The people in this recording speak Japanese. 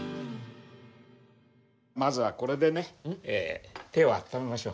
まずはこれでね手をあっためましょう。